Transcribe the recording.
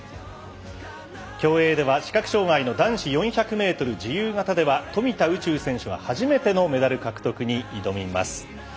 競泳では視覚障がいの男子４００ｍ自由形では富田宇宙選手が初めてのメダル獲得に挑みます。